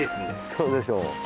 そうでしょ。